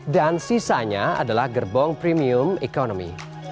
dan sisanya adalah gerbong premium economy